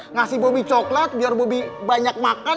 ngasih bobby coklat biar bobby banyak makan